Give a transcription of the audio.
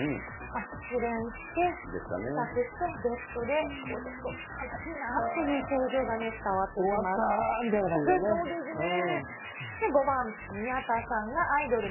失恋して、帰宅してベッドでちょっと悲しいなっていう表情がね、伝わってき終わったーみたいな感じでね。